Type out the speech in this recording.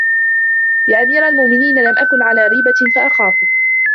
يَا أَمِيرَ الْمُؤْمِنِينَ لَمْ أَكُنْ عَلَى رِيبَةٍ فَأَخَافُك